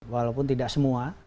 walaupun tidak semua